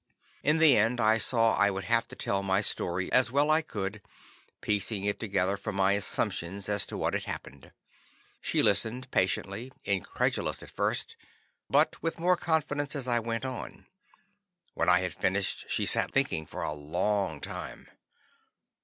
In the end I saw I would have to tell my story as well as I could, piecing it together with my assumptions as to what had happened. She listened patiently; incredulously at first, but with more confidence as I went on. When I had finished, she sat thinking for a long time.